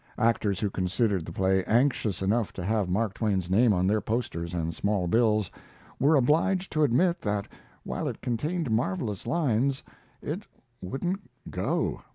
Actors who considered the play, anxious enough to have Mark Twain's name on their posters and small bills, were obliged to admit that, while it contained marvelous lines, it wouldn't "go."